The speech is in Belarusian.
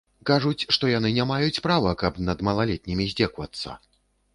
Кажуць, што яны не маюць права, каб над малалетнімі здзекавацца.